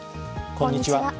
こんにちは。